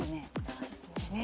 そうですね。